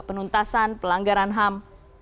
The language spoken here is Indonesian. penuntasan pelanggaran ham